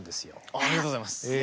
ありがとうございます。